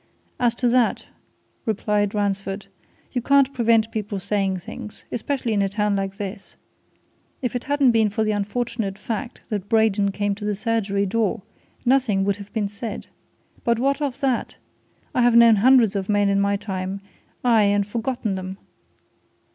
"As to that," replied Ransford, "you can't prevent people saying things especially in a town like this. If it hadn't been for the unfortunate fact that Braden came to the surgery door, nothing would have been said. But what of that? I have known hundreds of men in my time aye, and forgotten them!